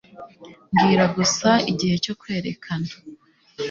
Mbwira gusa igihe cyo kwerekana